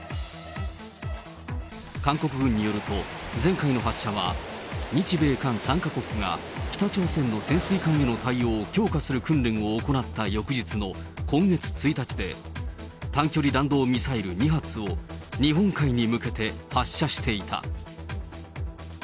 韓国軍によると、前回の発射は、日米韓３か国が北朝鮮の潜水艦への対応を強化する訓練を行った翌日の今月１日で、短距離弾道ミサイル２発を、日本海に向けて発射していた。